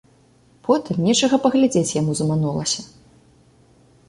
Потым нечага паглядзець яму заманулася.